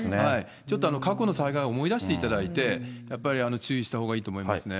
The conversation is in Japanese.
ちょっと過去の災害を思い出していただいて、やっぱり注意したほうがいいと思いますね。